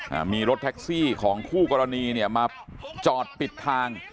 อ่ามีรถแท็กซี่ของคู่กรณีเนี่ยมาจอดปิดทาง